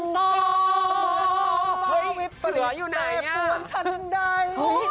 เผาวิบศึกในเพือนถนนใด